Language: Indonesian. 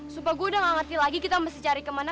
supaya gue udah gak ngerti lagi kita mesti cari kemana